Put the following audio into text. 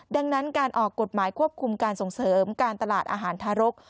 ดังนั้นการออกกฎหมายควบคุมการส่งเสริมการตลาดอาหารทารก